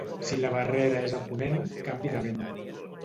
Si la barrera és a ponent, canvi de vent.